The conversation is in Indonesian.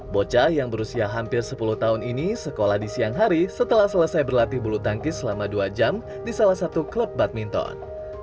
bocah yang berusia hampir sepuluh tahun ini sekolah di siang hari setelah selesai berlatih bulu tangkis selama dua jam di salah satu klub badminton